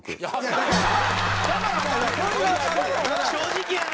正直やな！